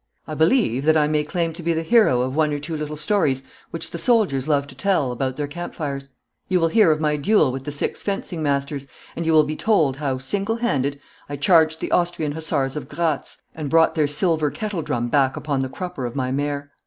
'I believe that I may claim to be the hero of one or two little stories which the soldiers love to tell about their camp fires. You will hear of my duel with the six fencing masters, and you will be told how, single handed, I charged the Austrian Hussars of Graz and brought their silver kettledrum back upon the crupper of my mare.